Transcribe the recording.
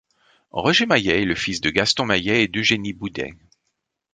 Roger Maillet est le fils de Gaston Maillet et d'Eugénie Boudet.